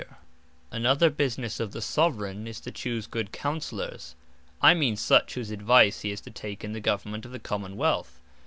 Counsellours Another Businesse of the Soveraign, is to choose good Counsellours; I mean such, whose advice he is to take in the Government of the Common wealth.